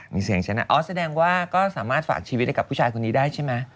มีเสียงฉันอ่ะอ๋อแสดงว่าก็สามารถฝากชีวิตให้กับผู้ชายคนนี้ได้ใช่ไหม